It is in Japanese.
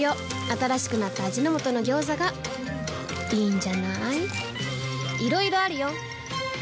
新しくなった味の素の「ギョーザ」がいいんじゃない？